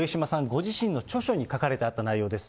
ご自身の著書に書かれてあった内容です。